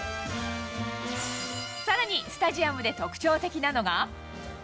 さらに、スタジアムで特徴的なのが。